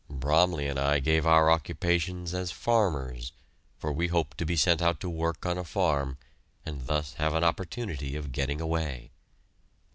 Bromley and I gave our occupations as "farmers," for we hoped to be sent out to work on a farm and thus have an opportunity of getting away.